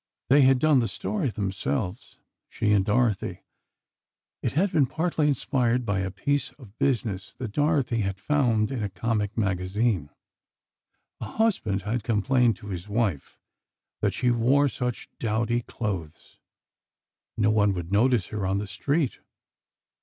They had done the story themselves, she and Dorothy. It had been partly inspired by a piece of "business" that Dorothy had found in a comic magazine: A husband had complained to his wife that she wore such dowdy clothes, no one would notice her on the street.